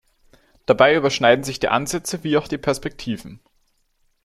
Dabei überschneiden sich die Ansätze wie auch die Perspektiven.